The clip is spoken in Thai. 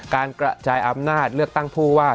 กระจายอำนาจเลือกตั้งผู้ว่า